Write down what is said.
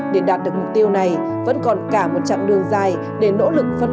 để đạt được mục tiêu này vẫn còn cả một chặng đường dài để nỗ lực phấn đấu và khó khăn